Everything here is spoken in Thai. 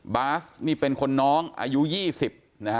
บาสนี่เป็นคนน้องอายุ๒๐นะฮะ